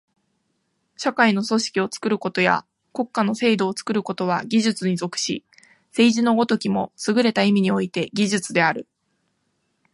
社会の組織を作ることや国家の制度を作ることは技術に属し、政治の如きもすぐれた意味において技術である。